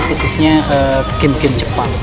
khususnya game game jepang